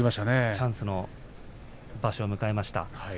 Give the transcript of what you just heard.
チャンスの場所を迎えました。